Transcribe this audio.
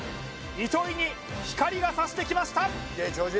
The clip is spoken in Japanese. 糸井に光がさしてきました